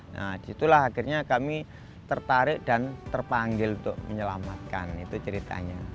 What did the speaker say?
nah disitulah akhirnya kami tertarik dan terpanggil untuk menyelamatkan itu ceritanya